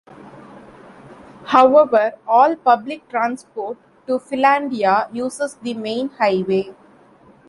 However, all public transport to Filandia uses the main highway.